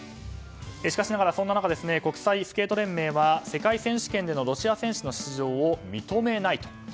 しかしながら、そんな中国際スケート連盟は世界選手権でのロシア選手の出場を認めないと。